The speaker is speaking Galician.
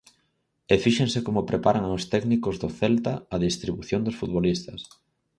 E fíxense como preparan os técnicos do Celta a distribución dos futbolistas.